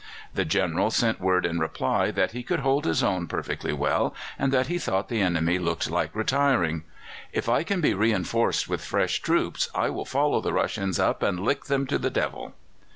The General sent word in reply that he could hold his own perfectly well, and that he thought the enemy looked like retiring. "If I can be reinforced with fresh troops, I will follow the Russians up and lick them to the devil."